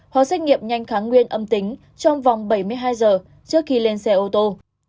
có xét nghiệm nhanh kháng nguyên âm tính trong vòng bảy mươi hai giờ trước khi lên xe ô tô